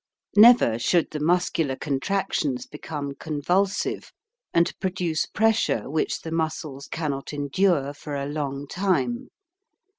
Never should the muscular contractions become convulsive and produce pressure which the muscles cannot endure for a long time.